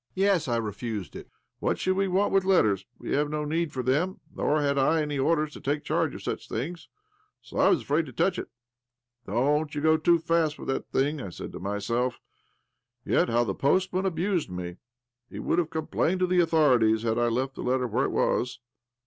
' ;Yes, I refused it. What should we want with letters ? W\e have no need for them, nor had I any orders to take charge of such things. So I was afraid to touch it. ' Don't you go too fast with that thing,' I said to 142 OBLOMOV myself. Yet how the postman abused me ! He would have complained to the authori ties had I left the letter where it was."